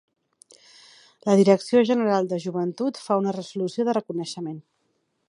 La Direcció General de Joventut fa una Resolució de reconeixement.